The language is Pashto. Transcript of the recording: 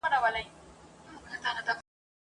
سمدستي یې لاندي ټوپ وو اچولی ..